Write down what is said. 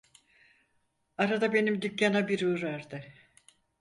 Arada benim dükkana bir uğrardı.